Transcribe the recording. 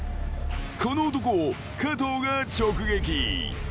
［この男を加藤が直撃！］